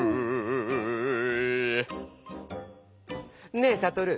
ねぇサトル。